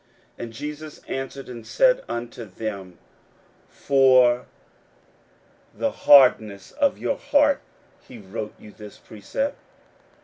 41:010:005 And Jesus answered and said unto them, For the hardness of your heart he wrote you this precept.